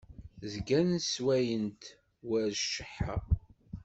Zgan sswayen-t war cceḥḥa.